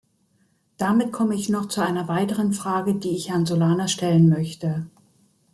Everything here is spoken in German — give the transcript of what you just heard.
Damit komme ich noch zu einer weiteren Frage, die ich Herrn Solana stellen möchte.